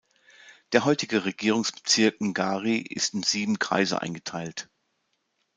Der heutige Regierungsbezirk Ngari ist in sieben Kreise eingeteilt.